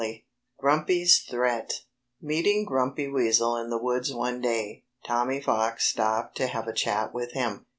XXII GRUMPY'S THREAT Meeting Grumpy Weasel in the woods one day, Tommy Fox stopped to have a chat with him.